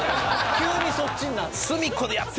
急にそっちになって。